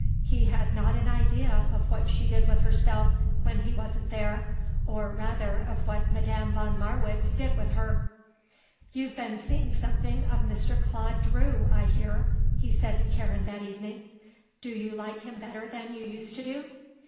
He had not an idea of what she did with herself when he wasn't there, or, rather, of what Madame von Marwitz did with her. "You've been seeing something of Mr. Claude Drew, I hear," he said to Karen that evening. "Do you like him better than you used to do?"